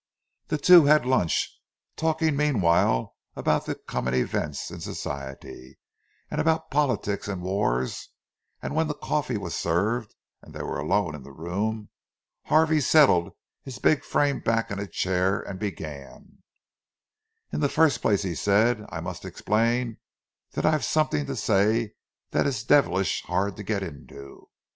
The two had lunch, talking meanwhile about the coming events in Society, and about politics and wars; and when the coffee was served and they were alone in the room, Harvey settled his big frame back in his chair, and began:— "In the first place," he said, "I must explain that I've something to say that is devilish hard to get into.